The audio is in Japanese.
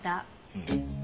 うん。